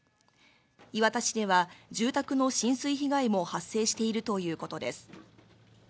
磐田市では、住宅の浸水被害も発生しているということです。